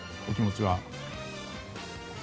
お気持ちは。